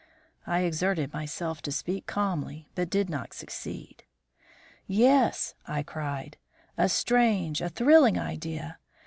I exerted myself to speak calmly, but did not succeed. "Yes," I cried, "a strange, a thrilling idea.